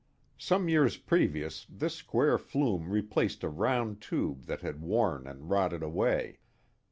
Some years previous this square flume replaced a round tube that had worn and rotted away.